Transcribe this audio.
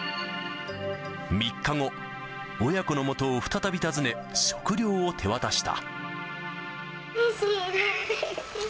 ３日後、親子のもとを再び訪ね、食料を手渡した。